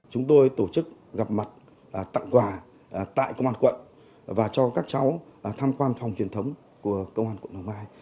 chúng tôi tổ chức gặp mặt tặng quà tại công an quận và cho các cháu tham quan phòng truyền thống của công an quận hoàng mai